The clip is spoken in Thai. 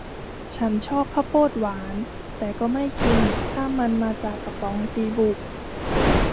ฉันชอบข้าวโพดหวาน แต่ก็ไม่กินถ้ามันมาจากกระป๋องดีบุก